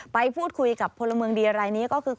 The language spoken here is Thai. ไปพูดคุยกับพลเมืองดีรายนี้ก็คือ